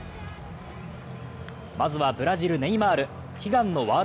まずは、ブラジル・ネイマール。